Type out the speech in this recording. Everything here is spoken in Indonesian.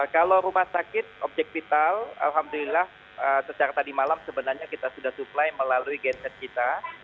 kalau rumah sakit objek vital alhamdulillah sejak tadi malam sebenarnya kita sudah supply melalui genset kita